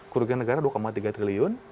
kerugian negara dua tiga triliun